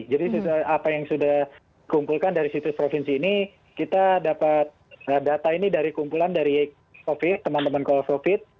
jadi apa yang sudah kumpulkan dari situs provinsi ini kita dapat data ini dari kumpulan dari covid teman teman covid